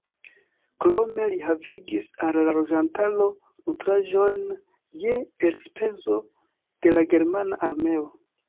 Krome li havigis al la loĝantaro nutraĵojn je elspezo de la germana armeo.